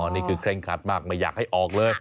นี่คือเคร่งคัดมากไม่อยากให้ออกเลย